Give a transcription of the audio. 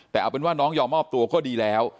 แต่เอาเป็นว่าน้องยอมมอบตัวก็ดีแล้ว